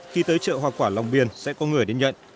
khi tới chợ hoa quả long biên sẽ có người đến nhận